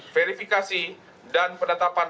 verifikasi dan pendatapan